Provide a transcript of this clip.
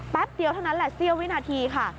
เดียวเท่านั้นแหละเสี้ยววินาทีค่ะ